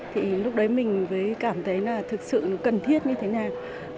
thì lúc đấy mình mới cảm thấy là thực sự cần thiết như thế nào